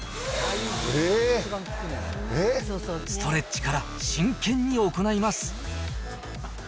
ストレッチから真剣に行います。